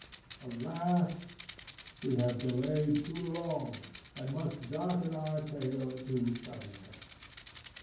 Alas! we have delayed too long, and must darken our tale too suddenly.